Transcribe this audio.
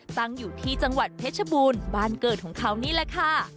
ตั้งอยู่ที่จังหวัดเพชรบูรณ์บ้านเกิดของเขานี่แหละค่ะ